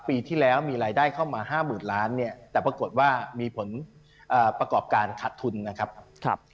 ปีที่แล้วมีรายได้เข้ามา๕๐๐๐ล้านเนี่ยแต่ปรากฏว่ามีผลประกอบการขาดทุนนะครับ